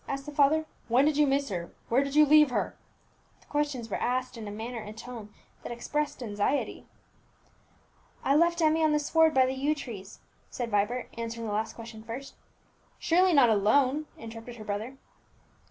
asked the father; "when did you miss her? where did you leave her?" The questions were asked in a manner and tone that expressed anxiety. "I left Emmie on the sward by the yew trees," said Vibert, answering the last question first. "Surely not alone?" interrupted his brother.